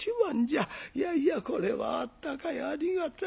いやいやこれはあったかいありがたい。